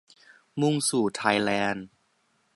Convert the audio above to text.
มุ่งสู่ไทยแลนด์